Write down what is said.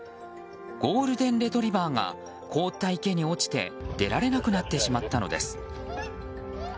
ゴールデンレトリバーが凍った池に落ちて出られなくなってしまったのです。